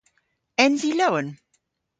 Ens i lowen?